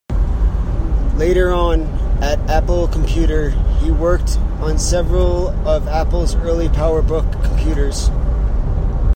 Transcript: Later on at Apple Computer, he worked on several of Apple's early PowerBook Computers.